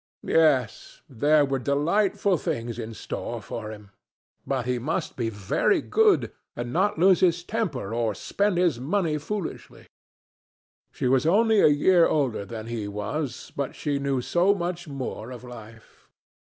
Yes, there were delightful things in store for him. But he must be very good, and not lose his temper, or spend his money foolishly. She was only a year older than he was, but she knew so much more of life.